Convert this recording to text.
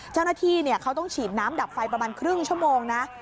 เจ้าหน้าที่เขาต้องฉีดน้ำดับไฟประมาณครึ่งชั่วโมงนะ